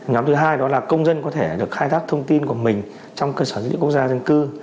nhóm thứ hai đó là công dân có thể được khai thác thông tin của mình trong cơ sở dữ liệu quốc gia dân cư